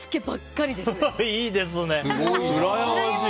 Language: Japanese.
いいですね、うらやましい。